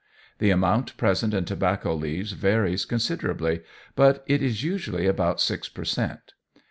The amount present in tobacco leaves varies considerably, but it is usually about six per cent.